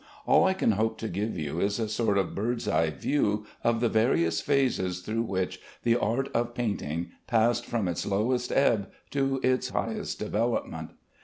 All I can hope to give you is a sort of bird's eye view of the various phases through which the Art of Painting passed from its lowest ebb to its highest development.